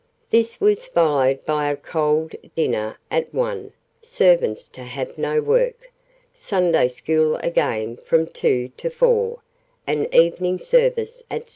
"This was followed by a cold dinner at 1 (servants to have no work), Sunday School again from 2 to 4, and Evening Service at 6.